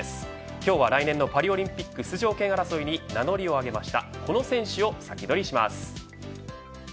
今日は、来年のパリオリンピック出場権争いに名乗りをあげたこの選手をサキドリします。